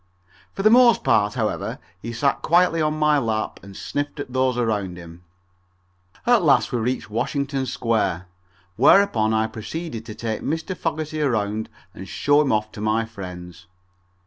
For the most part, however, he sat quietly on my lap and sniffed at those around him. At last we reached Washington Square, whereupon I proceeded to take Mr. Fogerty around and show him off to my friends.